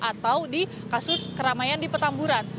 atau di kasus keramaian di petamburan